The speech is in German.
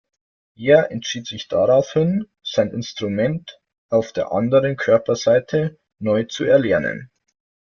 Er entschied sich daraufhin, sein Instrument auf der anderen Körperseite neu zu erlernen.